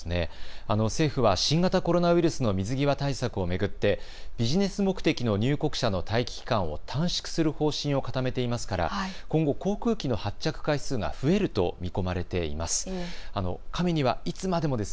政府は新型コロナウイルスの水際対策を巡ってビジネス目的の入国者の待機期間を短縮する方針を固めていますから今後、航空機の発着回数が増えると見込まれています。